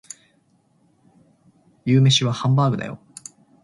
夕食はハンバーグだよ